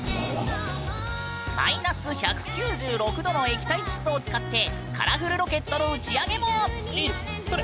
マイナス１９６℃の液体窒素を使ってカラフルロケットの打ち上げも！